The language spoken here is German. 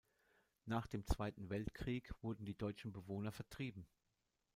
Nach dem Zweiten Weltkrieg wurden die deutschen Bewohner vertrieben.